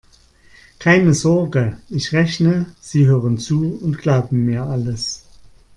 Keine Sorge: Ich rechne, Sie hören zu und glauben mir alles.